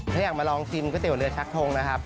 ถ้าอยากมาลองชิมก็ได้เอาเนื้อชักโทงนะครับ